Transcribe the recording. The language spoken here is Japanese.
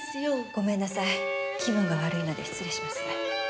ごめんなさい気分が悪いので失礼します。